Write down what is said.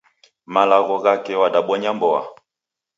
Malagho ghake wadabonya mboa.